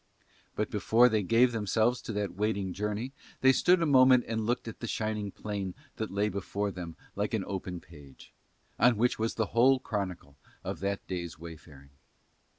But before they gave themselves to that waiting journey they stood a moment and looked at the shining plain that lay before them like an open page, on which was the whole chronicle of that day's wayfaring.